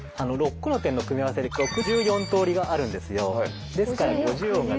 ６個の点の組み合わせで６４通りがあるんですよ。